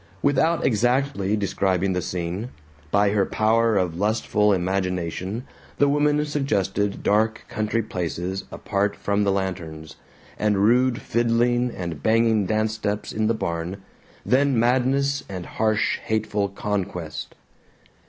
Without exactly describing the scene, by her power of lustful imagination the woman suggested dark country places apart from the lanterns and rude fiddling and banging dance steps in the barn, then madness and harsh hateful conquest.